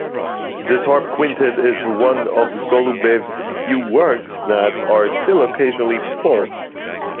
This harp quintet is one of Golubev's few works that are still occasionally performed.